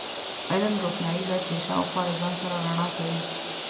علم، روښنایي ده چې شاوخوا له ځان سره رڼا کوي.